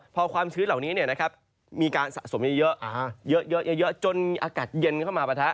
พอความชื้นเหล่านี้มีการสะสมเยอะเยอะจนอากาศเย็นเข้ามาปะทะ